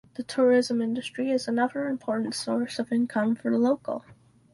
The tourism industry is another important source of income for the local.